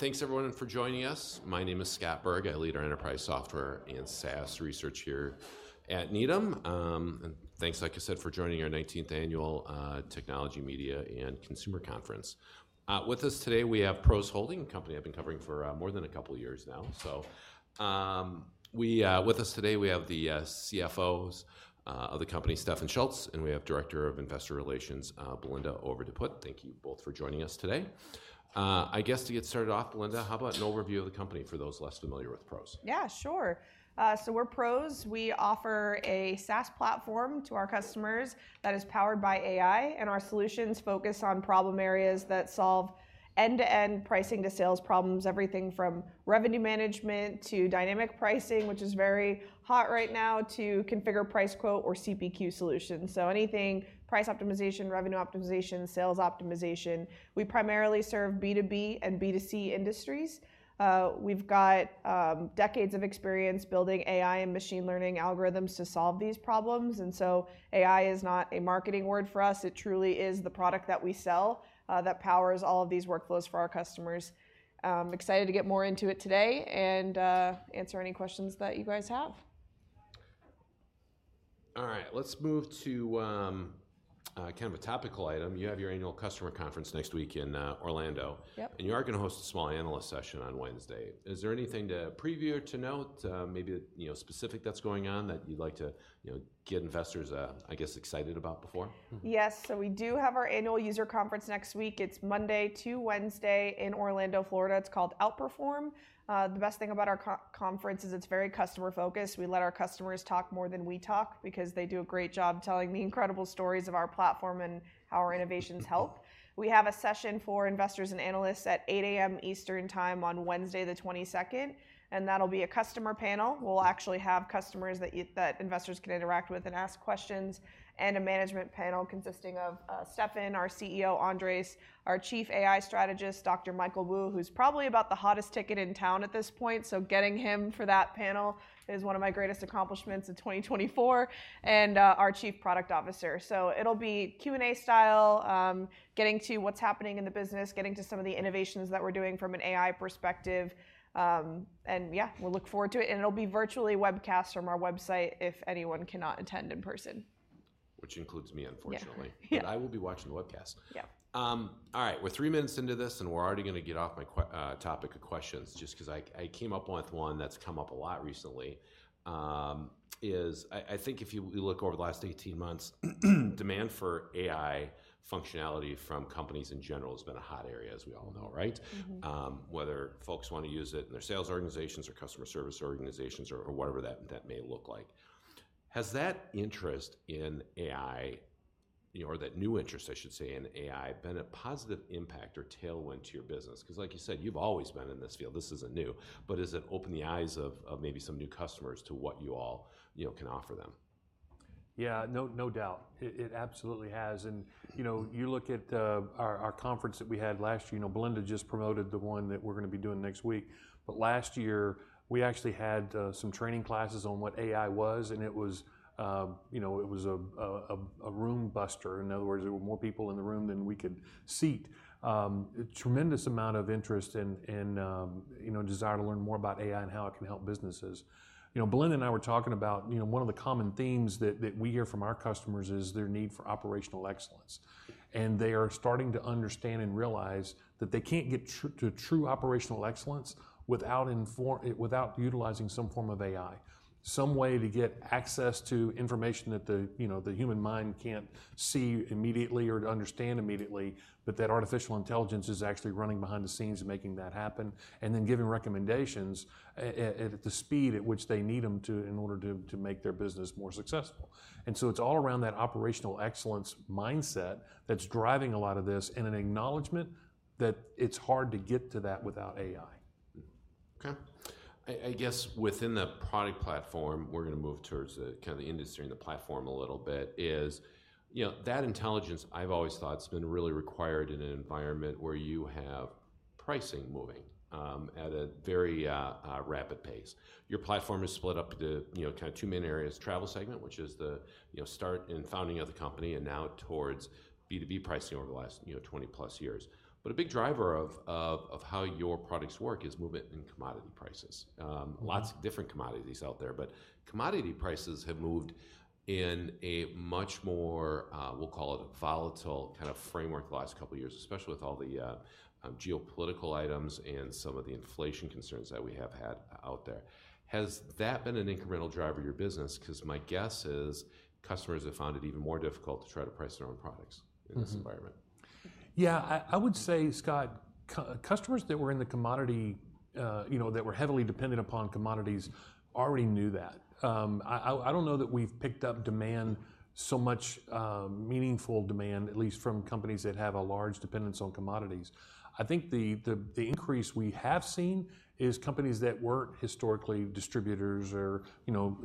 Thanks, everyone, for joining us. My name is Scott Berg. I lead our enterprise software and SaaS research here at Needham. And thanks, like I said, for joining our nineteenth annual Technology, Media, and Consumer Conference. With us today, we have PROS Holdings, a company I've been covering for more than a couple of years now. So, with us today, we have the CFO of the company, Stefan Schulz, and we have Director of Investor Relations, Belinda Overdeput. Thank you both for joining us today. I guess to get started off, Belinda, how about an overview of the company for those less familiar with PROS? Yeah, sure. So we're PROS. We offer a SaaS platform to our customers that is powered by AI, and our solutions focus on problem areas that solve end-to-end pricing to sales problems, everything from revenue management to dynamic pricing, which is very hot right now, to configure price quote, or CPQ, solutions. So anything price optimization, revenue optimization, sales optimization. We primarily serve B2B and B2C industries. We've got decades of experience building AI and machine learning algorithms to solve these problems, and so AI is not a marketing word for us. It truly is the product that we sell, that powers all of these workflows for our customers. I'm excited to get more into it today and answer any questions that you guys have. All right, let's move to kind of a topical item. You have your annual customer conference next week in Orlando. Yep. You are gonna host a small analyst session on Wednesday. Is there anything to preview or to note, maybe, you know, specific that's going on that you'd like to, you know, get investors, I guess, excited about before? Yes. So we do have our annual user conference next week. It's Monday to Wednesday in Orlando, Florida. It's called Outperform. The best thing about our conference is it's very customer focused. We let our customers talk more than we talk, because they do a great job telling the incredible stories of our platform and how our innovations help. We have a session for investors and analysts at 8 A.M. Eastern Time on Wednesday the 22nd, and that'll be a customer panel. We'll actually have customers that investors can interact with and ask questions, and a management panel consisting of Stefan, our CEO Andres, our Chief AI Strategist Dr. Michael Wu, who's probably about the hottest ticket in town at this point, so getting him for that panel is one of my greatest accomplishments in 2024, and, our chief product officer. So it'll be Q&A style, getting to what's happening in the business, getting to some of the innovations that we're doing from an AI perspective. And, yeah, we'll look forward to it, and it'll be virtually webcast from our website if anyone cannot attend in person. Which includes me, unfortunately. Yeah. Yeah. But I will be watching the webcast. Yeah. All right, we're three minutes into this, and we're already gonna get off my queue of questions, just 'cause I came up with one that's come up a lot recently, is I think if you look over the last 18 months, demand for AI functionality from companies in general has been a hot area, as we all know, right? Mm-hmm. Whether folks want to use it in their sales organizations or customer service organizations or whatever that may look like. Has that interest in AI, you know, or that new interest, I should say, in AI, been a positive impact or tailwind to your business? 'Cause like you said, you've always been in this field, this isn't new, but has it opened the eyes of maybe some new customers to what you all, you know, can offer them? Yeah, no, no doubt. It absolutely has, and you know, you look at our conference that we had last year. You know, Belinda just promoted the one that we're gonna be doing next week, but last year, we actually had some training classes on what AI was, and it was, you know, it was a room buster. In other words, there were more people in the room than we could seat. A tremendous amount of interest and, you know, desire to learn more about AI and how it can help businesses. You know, Belinda and I were talking about, you know, one of the common themes that we hear from our customers is their need for operational excellence. They are starting to understand and realize that they can't get to true operational excellence without utilizing some form of AI, some way to get access to information that, you know, the human mind can't see immediately or to understand immediately, but that artificial intelligence is actually running behind the scenes and making that happen, and then giving recommendations at the speed at which they need them to in order to make their business more successful. So it's all around that operational excellence mindset that's driving a lot of this, and an acknowledgement that it's hard to get to that without AI. Mm-hmm. Okay. I guess within the product platform, we're gonna move towards kinda the industry and the platform a little bit. You know, that intelligence, I've always thought, has been really required in an environment where you have pricing moving at a very rapid pace. Your platform is split up into, you know, kinda two main areas: travel segment, which is the, you know, start and founding of the company, and now towards B2B pricing over the last, you know, 20-plus years. But a big driver of how your products work is movement in commodity prices. Mm-hmm Lots of different commodities out there, but commodity prices have moved in a much more, we'll call it volatile kind of framework the last couple of years, especially with all the, geopolitical items and some of the inflation concerns that we have had out there. Has that been an incremental drive of your business? 'Cause my guess is, customers have found it even more difficult to try to price their own products- Mm-hmm... in this environment. Yeah, I would say, Scott, customers that were in the commodity, you know, that were heavily dependent upon commodities already knew that. I don't know that we've picked up demand so much, meaningful demand, at least from companies that have a large dependence on commodities. I think the increase we have seen is companies that weren't historically distributors or, you know,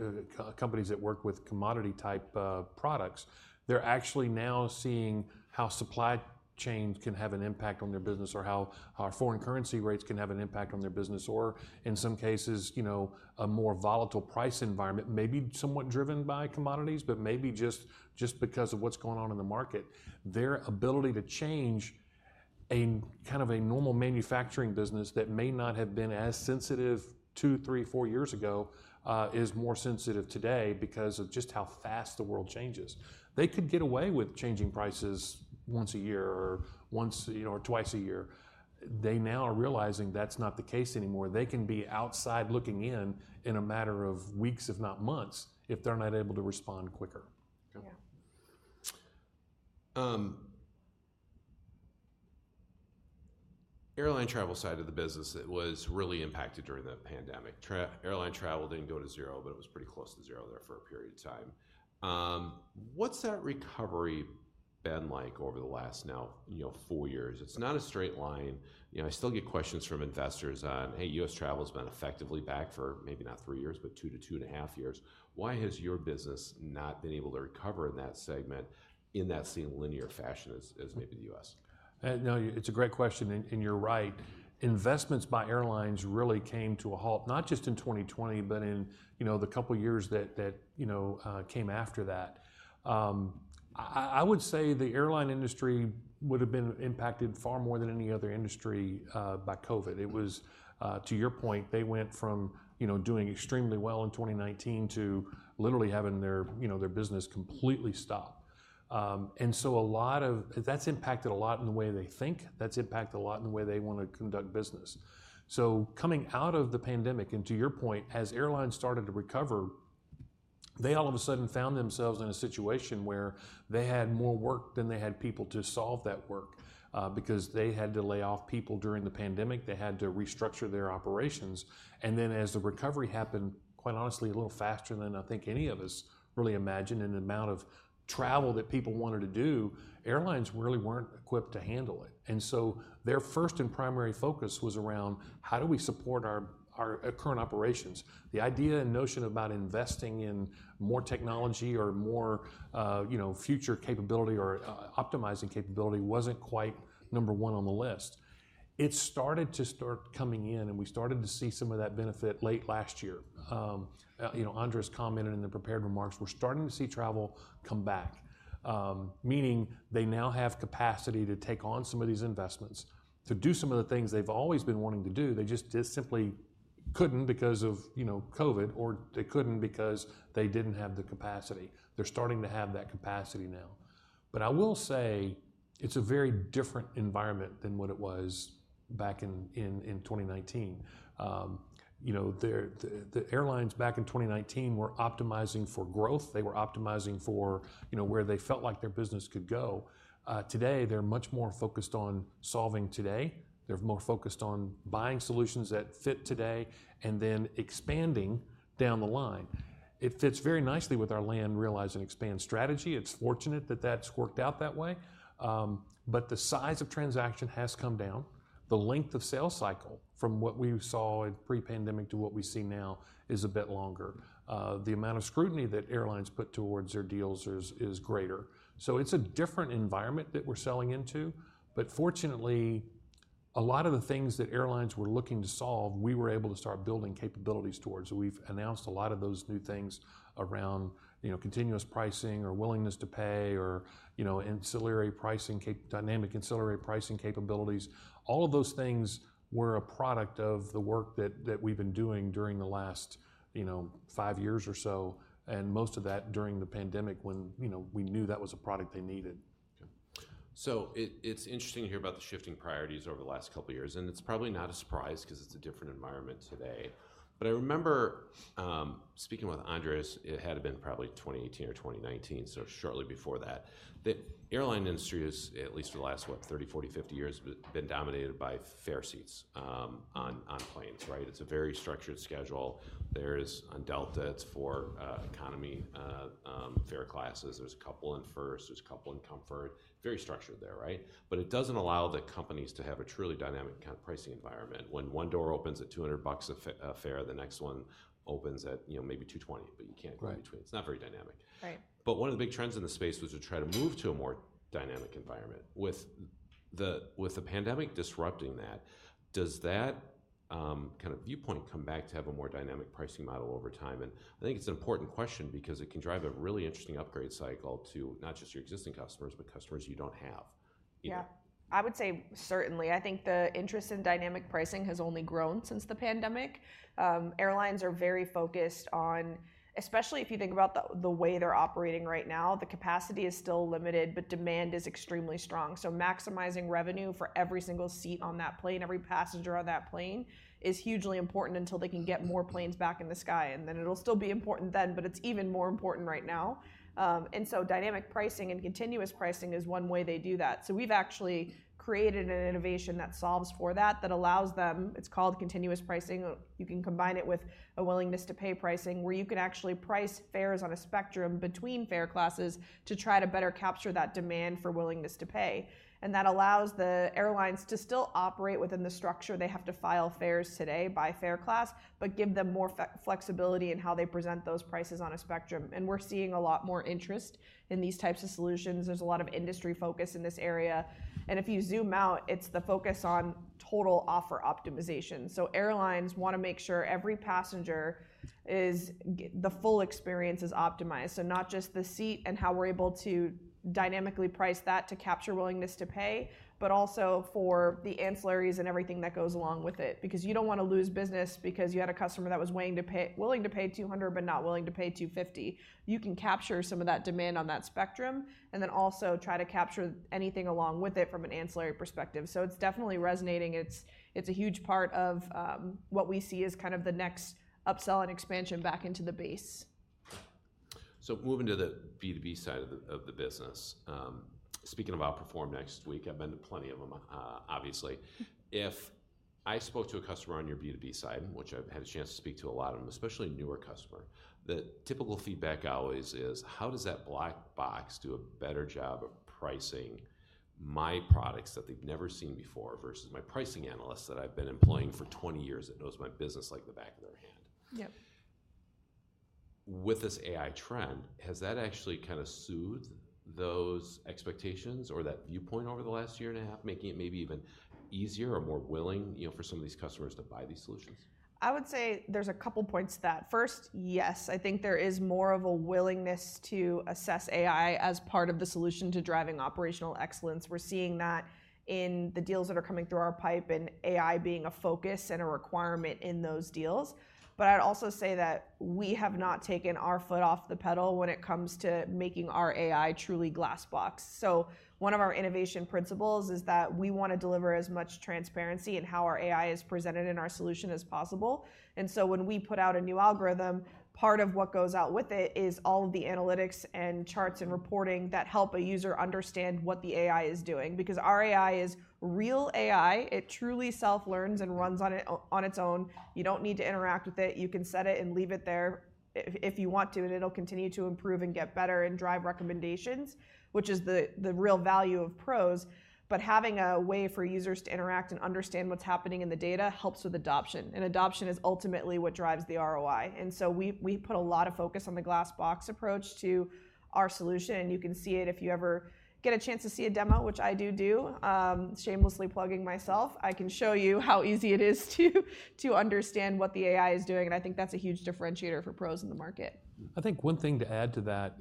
companies that work with commodity-type, products, they're actually now seeing how supply chains can have an impact on their business, or how foreign currency rates can have an impact on their business, or in some cases, you know, a more volatile price environment, maybe somewhat driven by commodities, but maybe just because of what's going on in the market. Their ability to change, a kind of a normal manufacturing business that may not have been as sensitive 2, 3, 4 years ago is more sensitive today because of just how fast the world changes. They could get away with changing prices once a year or once, you know, or twice a year. They now are realizing that's not the case anymore. They can be outside looking in in a matter of weeks, if not months, if they're not able to respond quicker. Yeah. Airline travel side of the business, it was really impacted during the pandemic. Airline travel didn't go to zero, but it was pretty close to zero there for a period of time. What's that recovery been like over the last, now, you know, four years? It's not a straight line. You know, I still get questions from investors on, "Hey, U.S. travel's been effectively back for maybe not three years, but two to two and a half years. Why has your business not been able to recover in that segment, in that same linear fashion as, as maybe the U.S.? No, it's a great question, and you're right. Investments by airlines really came to a halt, not just in 2020, but in you know the couple of years that you know came after that. I would say the airline industry would've been impacted far more than any other industry by COVID. It was to your point, they went from you know doing extremely well in 2019 to literally having their you know their business completely stop. And so a lot of... That's impacted a lot in the way they think. That's impacted a lot in the way they wanna conduct business. So coming out of the pandemic, and to your point, as airlines started to recover, they all of a sudden found themselves in a situation where they had more work than they had people to solve that work. Because they had to lay off people during the pandemic, they had to restructure their operations, and then as the recovery happened, quite honestly, a little faster than I think any of us really imagined, and the amount of travel that people wanted to do, airlines really weren't equipped to handle it. And so their first and primary focus was around, how do we support our current operations? The idea and notion about investing in more technology or more, you know, future capability or optimizing capability wasn't quite number one on the list. It started coming in, and we started to see some of that benefit late last year. You know, Andres commented in the prepared remarks, we're starting to see travel come back, meaning they now have capacity to take on some of these investments, to do some of the things they've always been wanting to do. They just simply couldn't because of, you know, COVID, or they couldn't because they didn't have the capacity. They're starting to have that capacity now. But I will say it's a very different environment than what it was back in 2019. You know, the airlines back in 2019 were optimizing for growth. They were optimizing for, you know, where they felt like their business could go. Today, they're much more focused on solving today. They're more focused on buying solutions that fit today, and then expanding down the line. It fits very nicely with our Land, Realize, and Expand strategy. It's fortunate that that's worked out that way. But the size of transaction has come down. The length of sales cycle, from what we saw in pre-pandemic to what we see now, is a bit longer. The amount of scrutiny that airlines put towards their deals is greater. So it's a different environment that we're selling into, but fortunately, a lot of the things that airlines were looking to solve, we were able to start building capabilities towards. We've announced a lot of those new things around, you know, continuous pricing or willingness to pay or, you know, ancillary pricing cap-- dynamic ancillary pricing capabilities. All of those things were a product of the work that we've been doing during the last, you know, 5 years or so, and most of that during the pandemic when, you know, we knew that was a product they needed. So it's interesting to hear about the shifting priorities over the last couple of years, and it's probably not a surprise, 'cause it's a different environment today. But I remember speaking with Andres, it had to have been probably 2018 or 2019, so shortly before that, the airline industry is, at least for the last, what, 30, 40, 50 years, been dominated by fare seats on planes, right? It's a very structured schedule. There's on Delta, it's 4 economy fare classes. There's a couple in first, there's a couple in comfort. Very structured there, right? But it doesn't allow the companies to have a truly dynamic kind of pricing environment. When one door opens at $200 a fare, the next one opens at, you know, maybe $220, but you can't go in between. Right. It's not very dynamic. Right. One of the big trends in the space was to try to move to a more dynamic environment. With the pandemic disrupting that, does that kind of viewpoint come back to have a more dynamic pricing model over time? And I think it's an important question, because it can drive a really interesting upgrade cycle to not just your existing customers, but customers you don't have. Yeah. I would say certainly. I think the interest in dynamic pricing has only grown since the pandemic. Airlines are very focused on... especially if you think about the way they're operating right now, the capacity is still limited, but demand is extremely strong. So maximizing revenue for every single seat on that plane, every passenger on that plane, is hugely important until they can get more planes back in the sky, and then it'll still be important then, but it's even more important right now. And so dynamic pricing and continuous pricing is one way they do that. So we've actually created an innovation that solves for that, that allows them, it's called continuous pricing. You can combine it with a willingness to pay pricing, where you can actually price fares on a spectrum between fare classes to try to better capture that demand for willingness to pay. That allows the airlines to still operate within the structure. They have to file fares today by fare class, but give them more flex, flexibility in how they present those prices on a spectrum, and we're seeing a lot more interest in these types of solutions. There's a lot of industry focus in this area, and if you zoom out, it's the focus on total offer optimization. So airlines wanna make sure every passenger is getting the full experience is optimized, so not just the seat and how we're able to dynamically price that to capture willingness to pay, but also for the ancillaries and everything that goes along with it. Because you don't wanna lose business because you had a customer that was weighing to pay, willing to pay $200, but not willing to pay $250. You can capture some of that demand on that spectrum, and then also try to capture anything along with it from an ancillary perspective. So it's definitely resonating. It's a huge part of what we see as kind of the next upsell and expansion back into the base. So moving to the B2B side of the business, speaking about Outperform next week, I've been to plenty of them, obviously. If I spoke to a customer on your B2B side, which I've had a chance to speak to a lot of them, especially a newer customer, the typical feedback always is, "How does that black box do a better job of pricing my products that they've never seen before, versus my pricing analyst that I've been employing for 20 years, that knows my business like the back of their hand? Yep. With this AI trend, has that actually kind of soothed those expectations or that viewpoint over the last year and a half, making it maybe even easier or more willing, you know, for some of these customers to buy these solutions? I would say there's a couple points to that. First, yes, I think there is more of a willingness to assess AI as part of the solution to driving operational excellence. We're seeing that in the deals that are coming through our pipe, and AI being a focus and a requirement in those deals. I'd also say that we have not taken our foot off the pedal when it comes to making our AI truly glass box. One of our innovation principles is that we wanna deliver as much transparency in how our AI is presented in our solution as possible, and so when we put out a new algorithm, part of what goes out with it is all of the analytics and charts and reporting that help a user understand what the AI is doing. Because our AI is real AI, it truly self-learns and runs on it, on its own. You don't need to interact with it. You can set it and leave it there if you want to, and it'll continue to improve and get better and drive recommendations, which is the real value of PROS. But having a way for users to interact and understand what's happening in the data helps with adoption, and adoption is ultimately what drives the ROI, and so we put a lot of focus on the glass box approach to our solution, and you can see it if you ever get a chance to see a demo, which I do. Shamelessly plugging myself, I can show you how easy it is to understand what the AI is doing, and I think that's a huge differentiator for PROS in the market. I think one thing to add to that,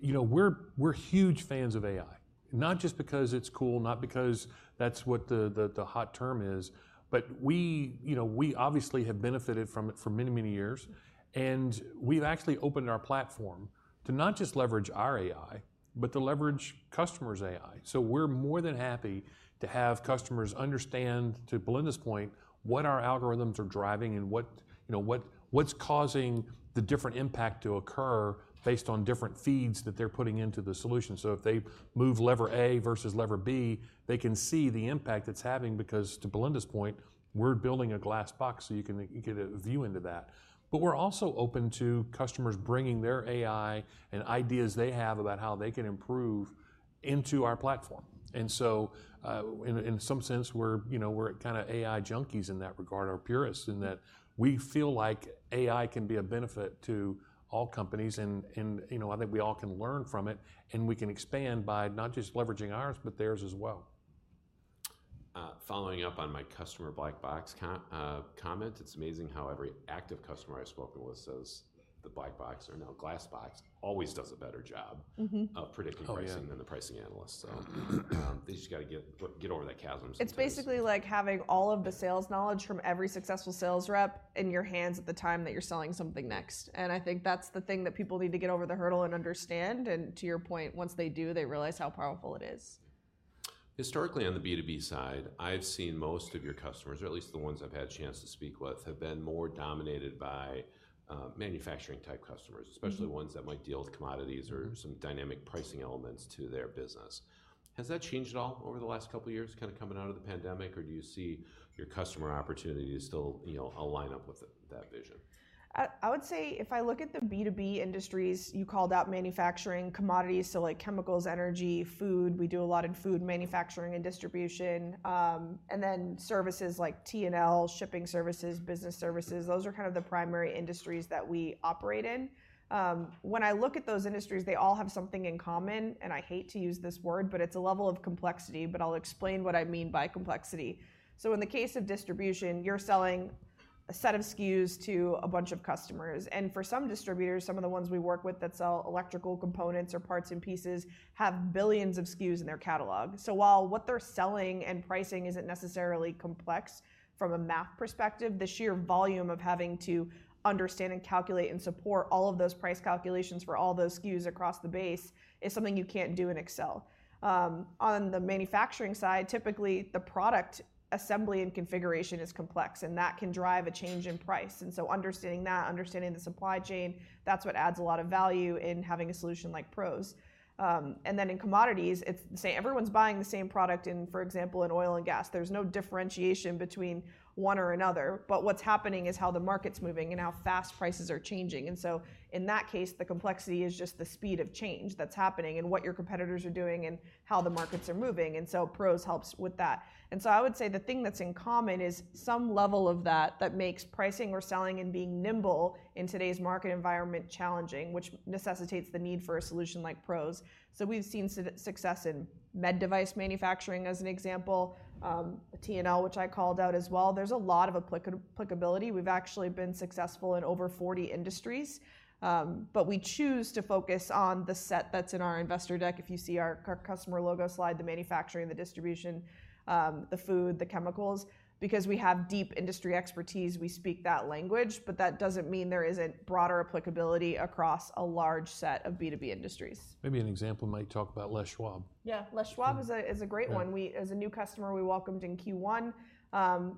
you know, we're huge fans of AI. Not just because it's cool, not because that's what the hot term is, but we, you know, we obviously have benefited from it for many, many years, and we've actually opened our platform to not just leverage our AI, but to leverage customers' AI. So we're more than happy to have customers understand, to Belinda's point, what our algorithms are driving and what, you know, what's causing the different impact to occur based on different feeds that they're putting into the solution. So if they move lever A versus lever B, they can see the impact it's having, because, to Belinda's point, we're building a glass box, so you can get a view into that. But we're also open to customers bringing their AI and ideas they have about how they can improve into our platform, and so, in some sense, we're, you know, we're kind of AI junkies in that regard, or purists, in that we feel like AI can be a benefit to all companies, and, you know, I think we all can learn from it, and we can expand by not just leveraging ours, but theirs as well. Following up on my customer black box comment, it's amazing how every active customer I've spoken with says the black box, or now glass box, always does a better job. Mm-hmm Of predicting pricing- Oh, yeah... than the pricing analyst. So, they just gotta get over that chasm sometimes. It's basically like having all of the sales knowledge from every successful sales rep in your hands at the time that you're selling something next, and I think that's the thing that people need to get over the hurdle and understand, and to your point, once they do, they realize how powerful it is. Historically, on the B2B side, I've seen most of your customers, or at least the ones I've had a chance to speak with, have been more dominated by, manufacturing-type customers- Mm-hmm... especially ones that might deal with commodities- Mm-hmm... or some dynamic pricing elements to their business. Has that changed at all over the last couple years, kind of coming out of the pandemic, or do you see your customer opportunities still, you know, align up with that vision? I would say if I look at the B2B industries, you called out manufacturing, commodities, so, like chemicals, energy, food. We do a lot in food manufacturing and distribution. And then services like T&L, shipping services, business services, those are kind of the primary industries that we operate in. When I look at those industries, they all have something in common, and I hate to use this word, but it's a level of complexity, but I'll explain what I mean by complexity. So in the case of distribution, you're selling a set of SKUs to a bunch of customers. And for some distributors, some of the ones we work with that sell electrical components or parts and pieces, have billions of SKUs in their catalog. So while what they're selling and pricing isn't necessarily complex from a math perspective, the sheer volume of having to understand and calculate and support all of those price calculations for all those SKUs across the base is something you can't do in Excel. On the manufacturing side, typically, the product assembly and configuration is complex, and that can drive a change in price. And so understanding that, understanding the supply chain, that's what adds a lot of value in having a solution like PROS. And then in commodities, it's say, everyone's buying the same product in, for example, in oil and gas. There's no differentiation between one or another, but what's happening is how the market's moving and how fast prices are changing. And so in that case, the complexity is just the speed of change that's happening and what your competitors are doing and how the markets are moving, and so PROS helps with that. And so I would say the thing that's in common is some level of that, that makes pricing or selling and being nimble in today's market environment challenging, which necessitates the need for a solution like PROS. So we've seen success in med device manufacturing, as an example, T&L, which I called out as well. There's a lot of applicability. We've actually been successful in over 40 industries, but we choose to focus on the set that's in our investor deck. If you see our customer logo slide, the manufacturing, the distribution, the food, the chemicals. Because we have deep industry expertise, we speak that language, but that doesn't mean there isn't broader applicability across a large set of B2B industries. Maybe an example, might talk about Les Schwab. Yeah, Les Schwab is a great one. Yeah. We, as a new customer, we welcomed in Q1.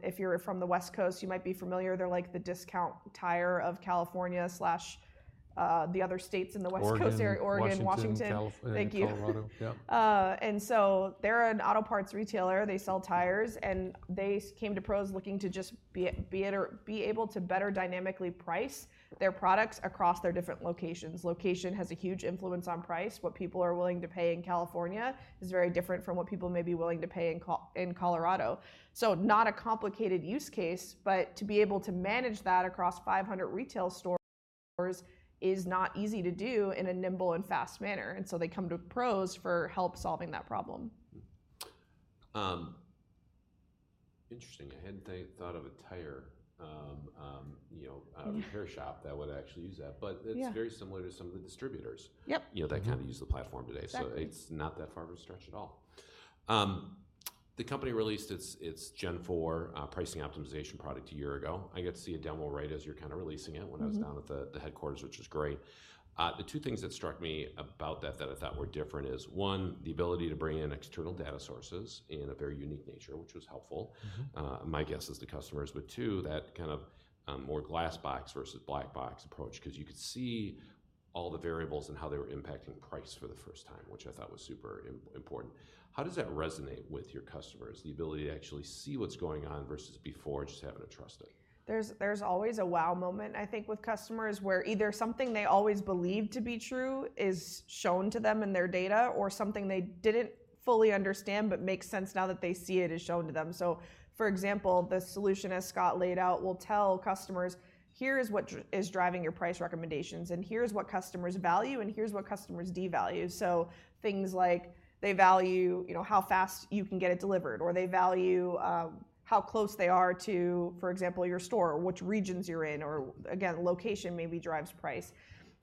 If you're from the West Coast, you might be familiar. They're like the Discount Tire of California slash the other states in the West Coast- Oregon... area. Oregon, Washington. Washington. Thank you. California and Colorado. Yep. They're an auto parts retailer. They sell tires, and they came to PROS looking to just be able to better dynamically price their products across their different locations. Location has a huge influence on price. What people are willing to pay in California is very different from what people may be willing to pay in Colorado. So not a complicated use case, but to be able to manage that across 500 retail stores is not easy to do in a nimble and fast manner, and so they come to PROS for help solving that problem. Mm-hmm. Interesting. I hadn't thought of a tire, you know, a repair shop that would actually use that. Yeah. But it's very similar to some of the distributors- Yep... you know, that kinda use the platform today. Exactly. So it's not that far of a stretch at all. The company released its Gen IV pricing optimization product a year ago. I got to see a demo right as you were kinda releasing it- Mm-hmm... when I was down at the, the headquarters, which was great. The two things that struck me about that, that I thought were different is, one, the ability to bring in external data sources in a very unique nature, which was helpful. Mm-hmm. My guess is the customers, but too, that kind of more glass box versus black box approach, 'cause you could see all the variables and how they were impacting price for the first time, which I thought was super important. How does that resonate with your customers, the ability to actually see what's going on versus before, just having to trust it? There's always a wow moment, I think, with customers, where either something they always believed to be true is shown to them in their data, or something they didn't fully understand, but makes sense now that they see it, is shown to them. So, for example, the solution, as Scott laid out, will tell customers, "Here is what is driving your price recommendations, and here's what customers value, and here's what customers devalue." So things like, they value, you know, how fast you can get it delivered, or they value how close they are to, for example, your store, or which regions you're in, or again, location maybe drives price.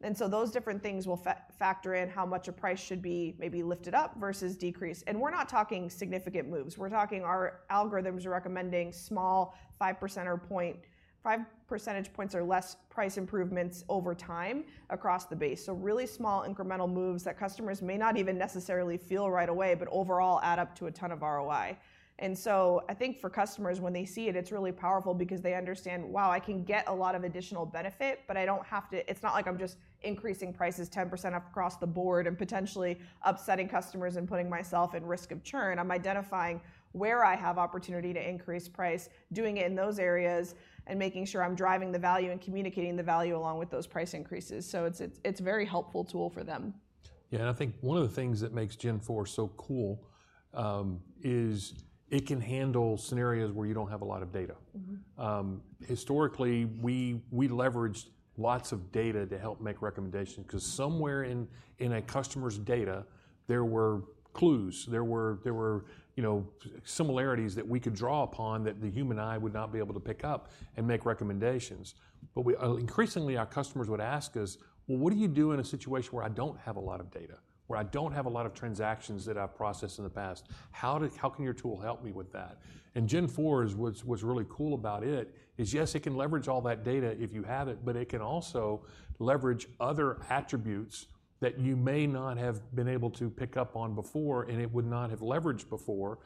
And so those different things will factor in how much a price should be maybe lifted up versus decreased. And we're not talking significant moves. We're talking, our algorithms are recommending small 5% or point 5 percentage points or less price improvements over time across the base. So really small, incremental moves that customers may not even necessarily feel right away, but overall add up to a ton of ROI. And so I think for customers, when they see it, it's really powerful because they understand, "Wow, I can get a lot of additional benefit, but I don't have to. It's not like I'm just increasing prices 10% across the board and potentially upsetting customers and putting myself at risk of churn. I'm identifying where I have opportunity to increase price, doing it in those areas, and making sure I'm driving the value and communicating the value along with those price increases." So it's, it's, it's a very helpful tool for them. Yeah, I think one of the things that makes Gen IV so cool is it can handle scenarios where you don't have a lot of data. Mm-hmm. Historically, we leveraged lots of data to help make recommendations, 'cause somewhere in a customer's data, there were clues. There were, you know, similarities that we could draw upon that the human eye would not be able to pick up and make recommendations. But increasingly, our customers would ask us, "Well, what do you do in a situation where I don't have a lot of data, where I don't have a lot of transactions that I've processed in the past? How can your tool help me with that?" And Gen IV is what's really cool about it is, yes, it can leverage all that data if you have it, but it can also leverage other attributes that you may not have been able to pick up on before and it would not have leveraged before.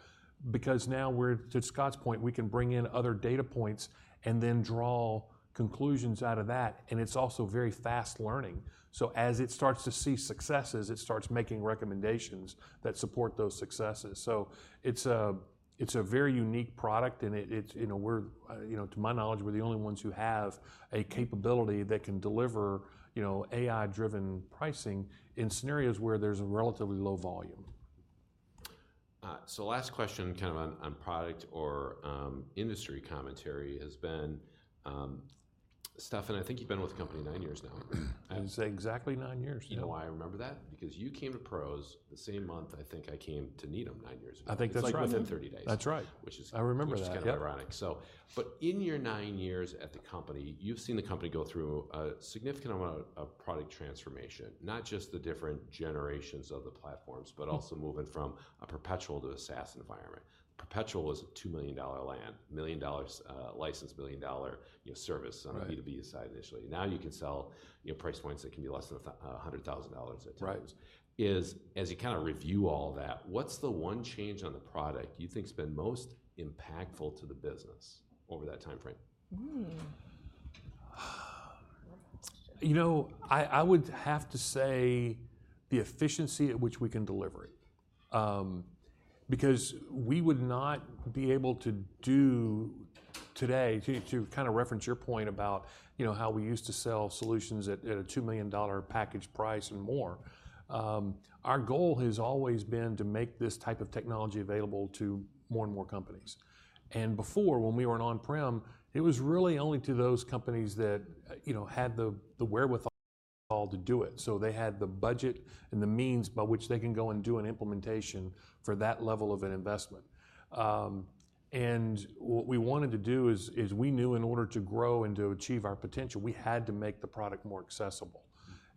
Because now we're, to Scott's point, we can bring in other data points and then draw conclusions out of that, and it's also very fast-learning. So as it starts to see successes, it starts making recommendations that support those successes. So it's a very unique product, and it's, you know, to my knowledge, we're the only ones who have a capability that can deliver, you know, AI-driven pricing in scenarios where there's a relatively low volume. So, last question, kind of on product or industry commentary has been, Stefan. I think you've been with the company nine years now. I'd say exactly nine years. You know why I remember that? Because you came to PROS the same month I think I came to Needham nine years ago. I think that's right. It's like within 30 days. That's right. Which is- I remember that, yep.... which is kind of ironic. So, but in your nine years at the company, you've seen the company go through a significant amount of product transformation, not just the different generations of the platforms- Mm... but also moving from a perpetual to a SaaS environment. Perpetual was a $2 million land, a $1 million, license, $1 million, you know, service- Right... on the B2B side initially. Now, you can sell, you know, price points that can be less than $100,000 at times. Right. As you kinda review all that, what's the one change on the product you think's been most impactful to the business over that timeframe? Hmm. Good question. You know, I would have to say the efficiency at which we can deliver it. Because we would not be able to do today. To kind of reference your point about, you know, how we used to sell solutions at a $2 million package price and more, our goal has always been to make this type of technology available to more and more companies. And before, when we were an on-prem, it was really only to those companies that, you know, had the wherewithal to do it. So they had the budget and the means by which they can go and do an implementation for that level of an investment. And what we wanted to do is we knew in order to grow and to achieve our potential, we had to make the product more accessible.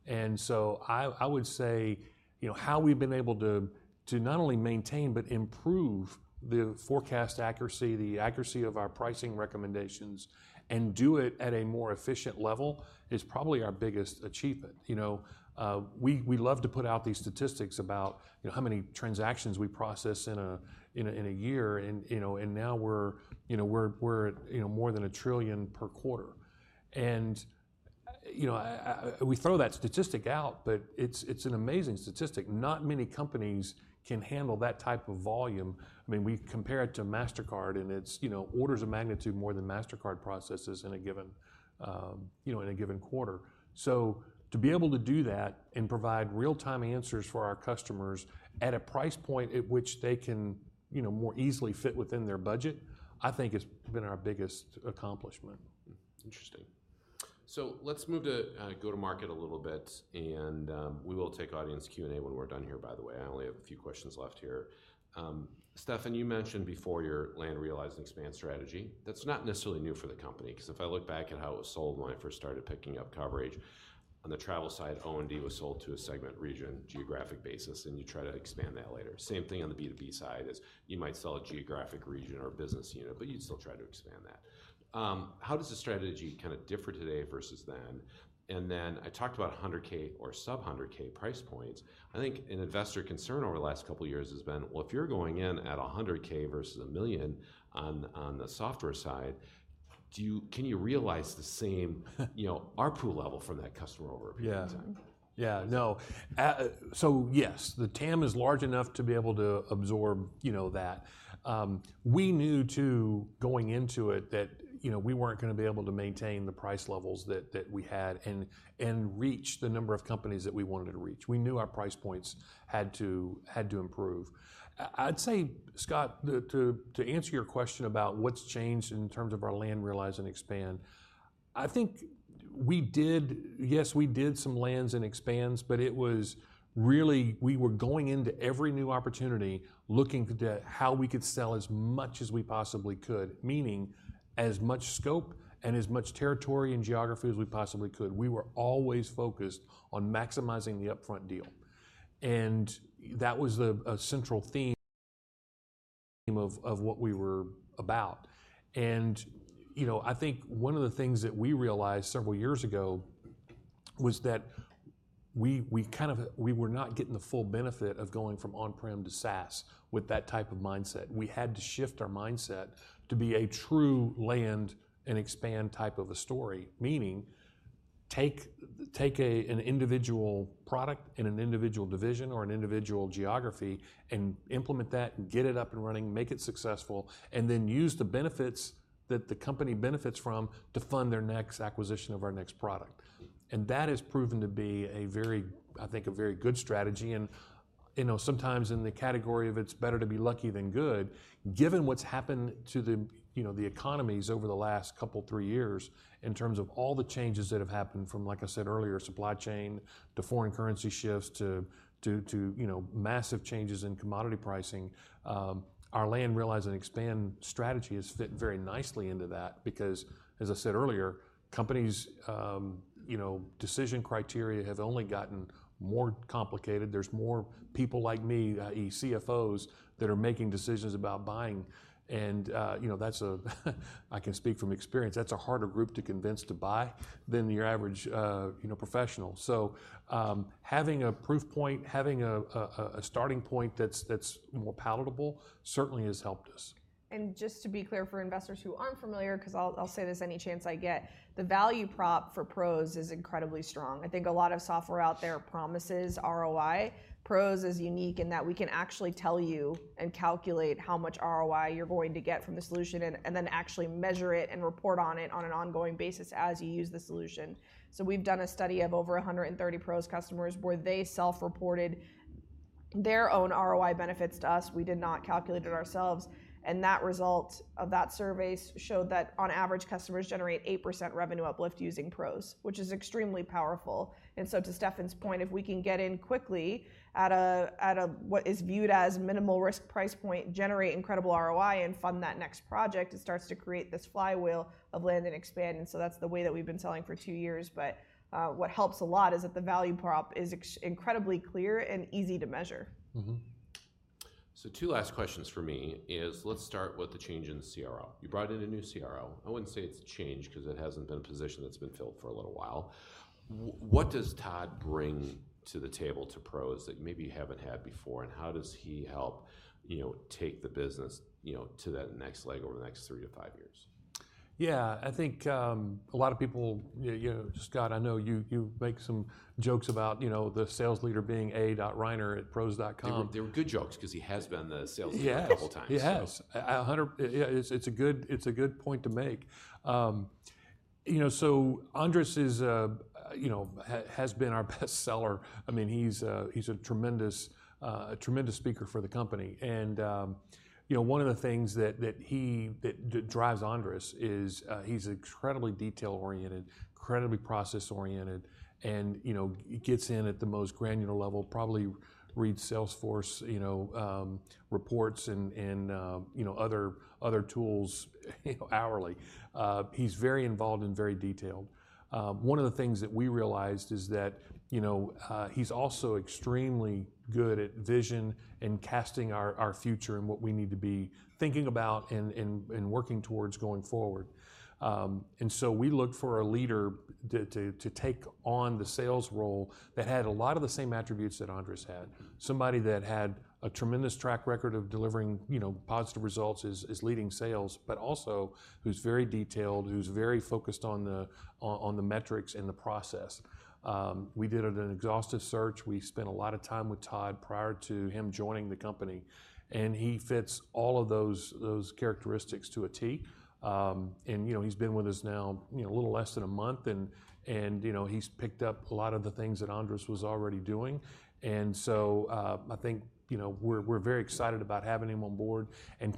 I would say, you know, how we've been able to not only maintain, but improve the forecast accuracy, the accuracy of our pricing recommendations, and do it at a more efficient level, is probably our biggest achievement. You know, we love to put out these statistics about, you know, how many transactions we process in a year and, you know, and now we're at, you know, more than 1 trillion per quarter. You know, we throw that statistic out, but it's an amazing statistic. Not many companies can handle that type of volume. I mean, we compare it to Mastercard, and it's, you know, orders of magnitude more than Mastercard processes in a given quarter. So to be able to do that and provide real-time answers for our customers at a price point at which they can, you know, more easily fit within their budget, I think it's been our biggest accomplishment. Interesting. So let's move to go-to-market a little bit, and we will take audience Q&A when we're done here, by the way. I only have a few questions left here. Stefan, you mentioned before your land, realize, and expand strategy. That's not necessarily new for the company, 'cause if I look back at how it was sold when I first started picking up coverage, on the travel side, O&D was sold to a segment region, geographic basis, and you try to expand that later. Same thing on the B2B side, is you might sell a geographic region or a business unit, but you'd still try to expand that. How does the strategy kinda differ today versus then? And then, I talked about $100K or sub-$100K price points. I think an investor concern over the last couple of years has been, well, if you're going in at $100K versus $1 million on the software side, can you realize the same—you know—ARPU level from that customer over a period of time? Yeah. Yeah, no. So yes, the TAM is large enough to be able to absorb, you know, that. We knew, too, going into it, that, you know, we weren't gonna be able to maintain the price levels that, that we had and, and reach the number of companies that we wanted to reach. We knew our price points had to, had to improve. I'd say, Scott, to, to answer your question about what's changed in terms of our Land, Realize, and Expand, I think we did... Yes, we did some lands and expands, but it was really, we were going into every new opportunity looking to how we could sell as much as we possibly could, meaning as much scope and as much territory and geography as we possibly could. We were always focused on maximizing the upfront deal, and that was a central theme of what we were about. You know, I think one of the things that we realized several years ago was that we kind of were not getting the full benefit of going from on-prem to SaaS with that type of mindset. We had to shift our mindset to be a true land-and-expand type of a story, meaning take an individual product and an individual division or an individual geography and implement that, get it up and running, make it successful, and then use the benefits that the company benefits from to fund their next acquisition of our next product. And that has proven to be a very, I think, a very good strategy. You know, sometimes in the category of "it's better to be lucky than good," given what's happened to the, you know, the economies over the last couple, 3 years in terms of all the changes that have happened, from, like I said earlier, supply chain, to foreign currency shifts, to you know, massive changes in commodity pricing, our Land, Realize, and Expand strategy has fit very nicely into that. Because, as I said earlier, companies', you know, decision criteria have only gotten more complicated. There's more people like me, i.e., CFOs, that are making decisions about buying, and, you know, that's a... I can speak from experience, that's a harder group to convince to buy than your average, you know, professional. So, having a proof point, having a starting point that's more palatable certainly has helped us. Just to be clear, for investors who aren't familiar, 'cause I'll say this any chance I get, the value prop for PROS is incredibly strong. I think a lot of software out there promises ROI. PROS is unique in that we can actually tell you and calculate how much ROI you're going to get from the solution and then actually measure it and report on it on an ongoing basis as you use the solution. So we've done a study of over 130 PROS customers, where they self-reported their own ROI benefits to us. We did not calculate it ourselves, and that result of that survey showed that on average, customers generate 8% revenue uplift using PROS, which is extremely powerful. To Stefan's point, if we can get in quickly at a what is viewed as minimal risk price point, generate incredible ROI, and fund that next project, it starts to create this flywheel of land and expand. That's the way that we've been selling for two years, but what helps a lot is that the value prop is incredibly clear and easy to measure. Mm-hmm. So two last questions from me is, let's start with the change in the CRO. You brought in a new CRO. I wouldn't say it's a change 'cause it hasn't been a position that's been filled for a little while. What does Todd bring to the table to PROS that maybe you haven't had before, and how does he help, you know, take the business, you know, to that next leg over the next three to five years? Yeah, I think a lot of people, you know, Scott, I know you, you make some jokes about, you know, the sales leader being a.reiner@pros.com. They were good jokes 'cause he has been the sales leader- Yes... a couple times. He has. Yeah, it's a good point to make. You know, so Andres is, you know, has been our best seller. I mean, he's a tremendous speaker for the company. And, you know, one of the things that drives Andres is, he's incredibly detail-oriented, incredibly process-oriented, and, you know, he gets in at the most granular level, probably reads Salesforce, you know, reports and, you know, other tools, you know, hourly. He's very involved and very detailed. One of the things that we realized is that, you know, he's also extremely good at vision and casting our future and what we need to be thinking about and working towards going forward. And so we looked for a leader to take on the sales role that had a lot of the same attributes that Andres had, somebody that had a tremendous track record of delivering, you know, positive results as leading sales, but also who's very detailed, who's very focused on the metrics and the process. We did an exhaustive search. We spent a lot of time with Todd prior to him joining the company, and he fits all of those characteristics to a T. And, you know, he's been with us now, you know, a little less than a month, and, you know, he's picked up a lot of the things that Andres was already doing. And so, I think, you know, we're very excited about having him on board and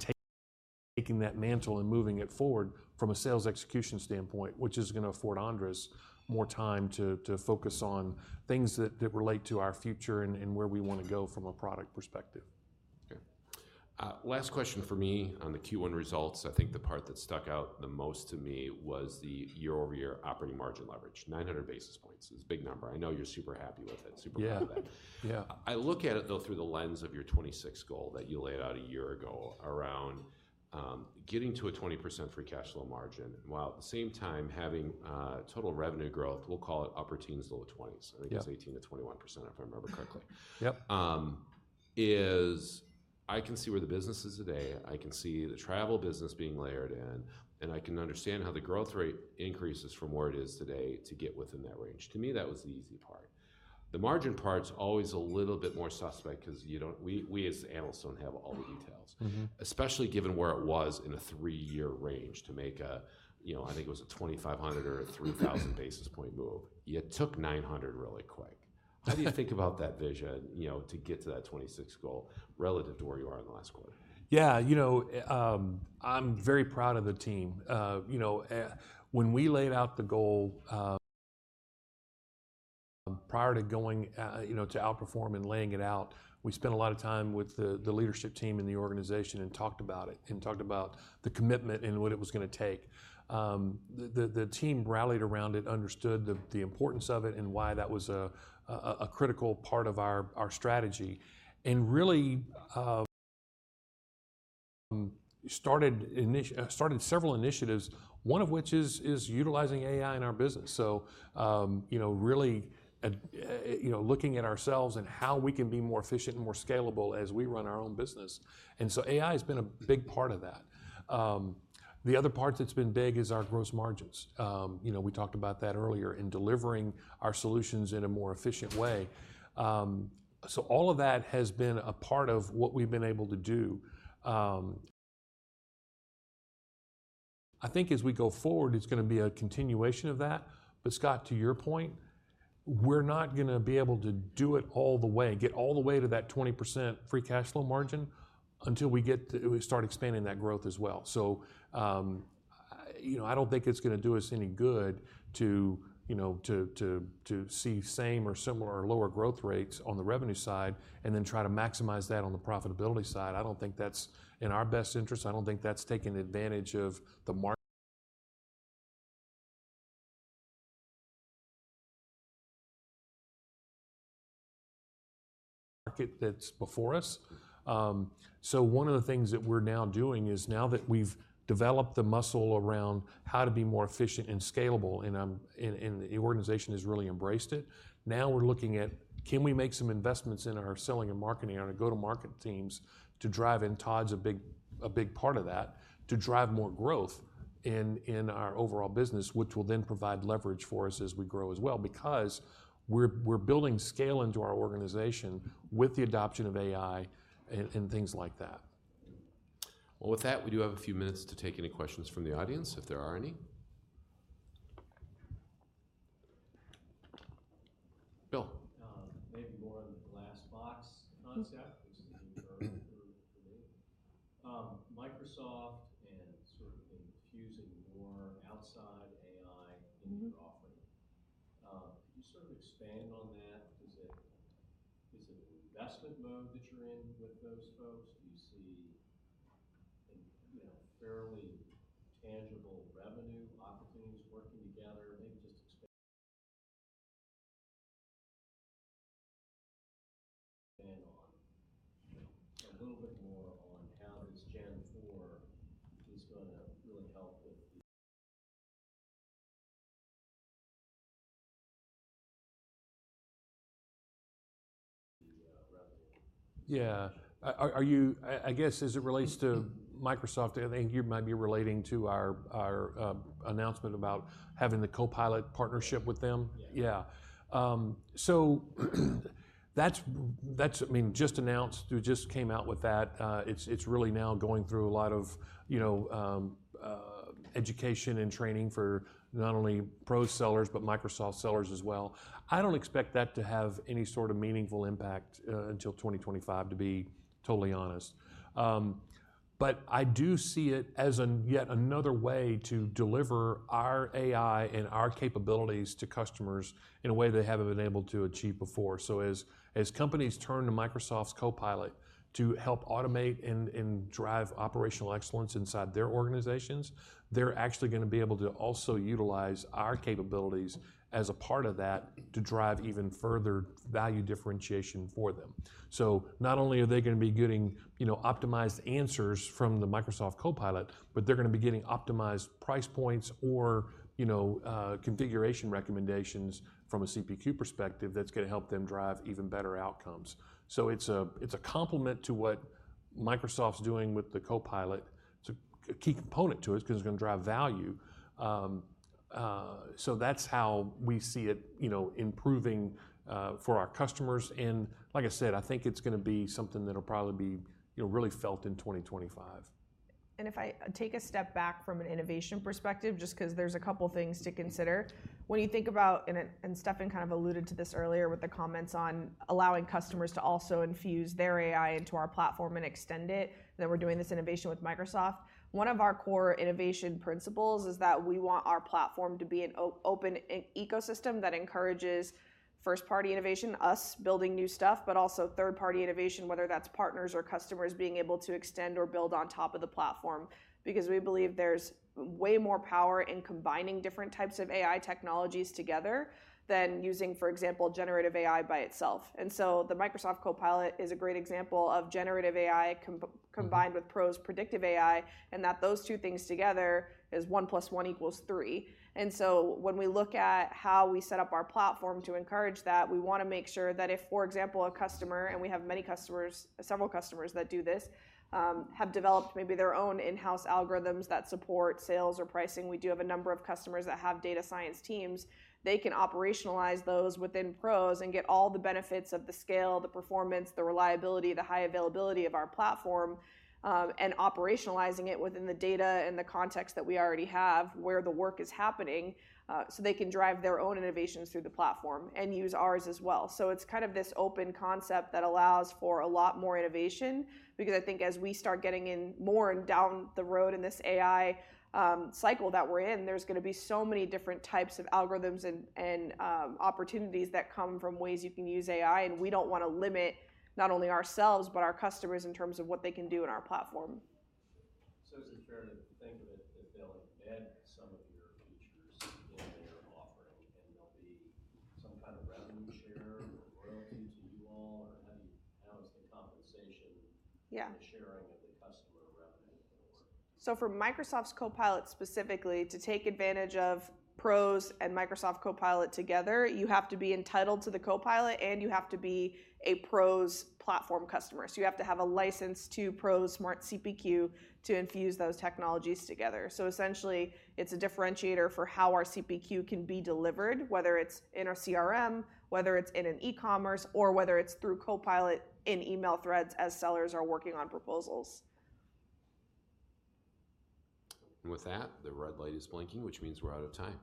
taking that mantle and moving it forward from a sales execution standpoint, which is gonna afford Andres more time to focus on things that relate to our future and where we wanna go from a product perspective. Okay. Last question from me on the Q1 results. I think the part that stuck out the most to me was the year-over-year operating margin leverage. 900 basis points is a big number. I know you're super happy with it, super proud of it. Yeah. Yeah. I look at it, though, through the lens of your 2026 goal that you laid out a year ago around getting to a 20% free cash flow margin, while at the same time, having total revenue growth, we'll call it upper teens-low twenties. Yeah. I think it's 18%-21%, if I remember correctly. Yep. I can see where the business is today, I can see the travel business being layered in, and I can understand how the growth rate increases from where it is today to get within that range. To me, that was the easy part. The margin part's always a little bit more suspect 'cause you don't-- we, we as analysts don't have all the details. Mm-hmm. Especially given where it was in a three-year range to make a, you know, I think it was a 2,500 or 3,000 basis point move. You took 900 really quick. How do you think about that vision, you know, to get to that 2026 goal relative to where you are in the last quarter? Yeah, you know, I'm very proud of the team. You know, when we laid out the goal, prior to going, you know, to Outperform and laying it out, we spent a lot of time with the leadership team in the organization and talked about it, and talked about the commitment and what it was gonna take. The team rallied around it, understood the importance of it, and why that was a critical part of our strategy. And really, started several initiatives, one of which is utilizing AI in our business. So, you know, really at, you know, looking at ourselves and how we can be more efficient and more scalable as we run our own business, and so AI has been a big part of that. The other part that's been big is our gross margins. You know, we talked about that earlier, and delivering our solutions in a more efficient way. So all of that has been a part of what we've been able to do. I think as we go forward, it's gonna be a continuation of that, but Scott, to your point, we're not gonna be able to do it all the way, get all the way to that 20% free cash flow margin, until we get to—we start expanding that growth as well. So, you know, I don't think it's gonna do us any good to, you know, see same or similar or lower growth rates on the revenue side, and then try to maximize that on the profitability side. I don't think that's in our best interest. I don't think that's taking advantage of the market. That's before us. So one of the things that we're now doing is, now that we've developed the muscle around how to be more efficient and scalable, and the organization has really embraced it, now we're looking at, can we make some investments in our selling and marketing, and our go-to-market teams to drive, and Todd's a big part of that, to drive more growth in our overall business, which will then provide leverage for us as we grow as well? Because we're building scale into our organization with the adoption of AI and things like that. Well, with that, we do have a few minutes to take any questions from the audience, if there are any. Bill? Maybe more on the glass box concept, which is new for me. Microsoft and sort of infusing more outside AI into your offering, could you sort of expand on that? Is it an investment mode that you're in with those folks? Do you see, you know, fairly tangible revenue opportunities working together? Maybe just expand on, you know, a little bit more on how this Gen-4 is gonna really help with the revenue. Yeah. Are you-- I guess as it relates to Microsoft, I think you might be relating to our announcement about having the Copilot partnership with them? Yeah. Yeah. So that's, that's, I mean, just announced. We just came out with that. It's really now going through a lot of, you know, education and training for not only PROS sellers, but Microsoft sellers as well. I don't expect that to have any sort of meaningful impact until 2025, to be totally honest. But I do see it as and yet another way to deliver our AI and our capabilities to customers in a way they haven't been able to achieve before. So as companies turn to Microsoft's Copilot to help automate and drive operational excellence inside their organizations, they're actually gonna be able to also utilize our capabilities as a part of that to drive even further value differentiation for them. So not only are they gonna be getting, you know, optimized answers from the Microsoft Copilot, but they're gonna be getting optimized price points or, you know, configuration recommendations from a CPQ perspective that's gonna help them drive even better outcomes. So it's a complement to what Microsoft's doing with the Copilot. It's a key component to it, 'cause it's gonna drive value. So that's how we see it, you know, improving for our customers, and like I said, I think it's gonna be something that'll probably be, you know, really felt in 2025. And if I take a step back from an innovation perspective, just 'cause there's a couple things to consider. When you think about, And Stefan kind of alluded to this earlier with the comments on allowing customers to also infuse their AI into our platform and extend it, that we're doing this innovation with Microsoft. One of our core innovation principles is that we want our platform to be an open ecosystem that encourages first-party innovation, us building new stuff, but also third-party innovation, whether that's partners or customers being able to extend or build on top of the platform. Because we believe there's way more power in combining different types of AI technologies together than using, for example, generative AI by itself. And so the Microsoft Copilot is a great example of generative AI comp-combined with PROS' predictive AI, and that those two things together is one plus one equals three. And so when we look at how we set up our platform to encourage that, we wanna make sure that if, for example, a customer, and we have many customers, several customers that do this, have developed maybe their own in-house algorithms that support sales or pricing. We do have a number of customers that have data science teams. They can operationalize those within PROS and get all the benefits of the scale, the performance, the reliability, the high availability of our platform, and operationalizing it within the data and the context that we already have, where the work is happening, so they can drive their own innovations through the platform and use ours as well. So it's kind of this open concept that allows for a lot more innovation, because I think as we start getting in more and down the road in this AI, cycle that we're in, there's gonna be so many different types of algorithms and, and, opportunities that come from ways you can use AI. And we don't wanna limit not only ourselves, but our customers in terms of what they can do in our platform. So is it fair to think that, that they'll embed some of your features in their offering, and there'll be some kind of revenue share or royalty to you all? Or how do you, how is the compensation- Yeah... the sharing of the customer revenue going to work? So for Microsoft's Copilot specifically, to take advantage of PROS and Microsoft Copilot together, you have to be entitled to the Copilot, and you have to be a PROS platform customer. So you have to have a license to PROS Smart CPQ to infuse those technologies together. So essentially, it's a differentiator for how our CPQ can be delivered, whether it's in our CRM, whether it's in an e-commerce, or whether it's through Copilot in email threads as sellers are working on proposals. With that, the red light is blinking, which means we're out of time.